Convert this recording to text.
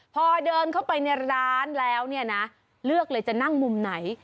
พอเดินเข้าไปในร้านแล้วเนี่ยนะเลือกเลยจะนั่งมุมไหน